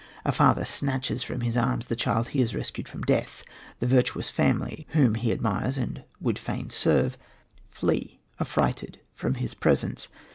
A father snatches from his arms the child he has rescued from death; the virtuous family, whom he admires and would fain serve, flee affrighted from his presence.